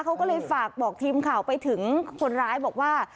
เขาก็เลยฝากบอกทีมข่าวไปถึงคนร้ายบอกว่า